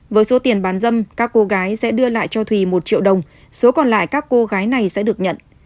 với số tiền bán dâm các cô gái sẽ đưa lại cho thùy một triệu đồng số còn lại các cô gái này sẽ được nhận